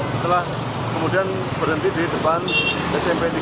setelah kemudian berhenti di depan smp ini